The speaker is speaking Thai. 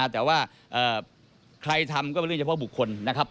แต่ว่าใครทำก็เป็นเรื่องเฉพาะบุคคลนะครับ